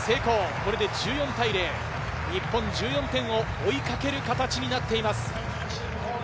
これで１４対０。日本、１４点を追いかける形になっています。